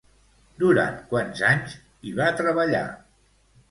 Durant quants anys hi va treballar?